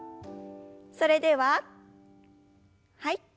それでははい。